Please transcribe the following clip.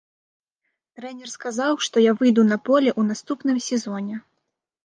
Трэнер сказаў, што я выйду на поле ў наступным сезоне.